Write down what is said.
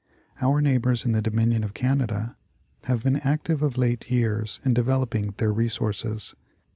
Our neighbors in the Dominion of Canada have been active of late years in developing their resources.